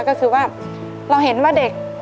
ก็คือว่าเราเห็นว่าเด็ก